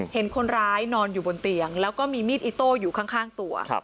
เห็นคนร้ายนอนอยู่บนเตียงแล้วก็มีมีดอิโต้อยู่ข้างตัว